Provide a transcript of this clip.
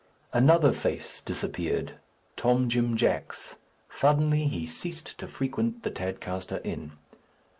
Another face, disappeared Tom Jim Jack's. Suddenly he ceased to frequent the Tadcaster Inn.